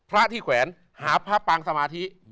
พระที่แขวนหาพระปางสมาธิ